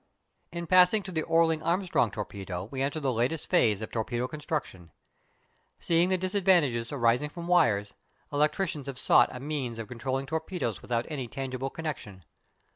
In passing to the Orling Armstrong torpedo we enter the latest phase of torpedo construction. Seeing the disadvantages arising from wires, electricians have sought a means of controlling torpedoes without any tangible connection.